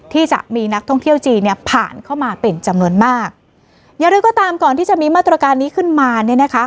ที่มีนักท่องเที่ยวจีนเนี่ยผ่านเข้ามาเป็นจำนวนมากอย่างไรก็ตามก่อนที่จะมีมาตรการนี้ขึ้นมาเนี่ยนะคะ